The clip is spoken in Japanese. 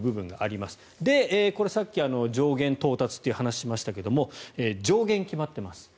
これさっき上限到達という話をしましたが上限決まってます。